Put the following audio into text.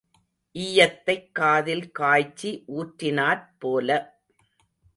ஈயத்தைக் காதில் காய்ச்சி ஊற்றினாற் போல.